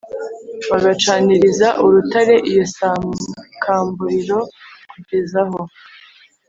bagacaniriza urutare iyo sakamburiro kugeza aho